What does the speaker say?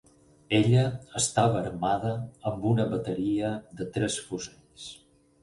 Ella estava armada amb una bateria de tres fusells.